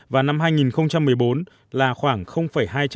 và năm hai nghìn một mươi bốn là khoảng hai trăm tám mươi